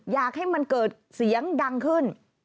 อยากให้มันเกิดเสียงดังขึ้น